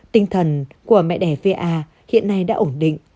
tinh thần của mẹ đẻ va hiện nay đã ổn định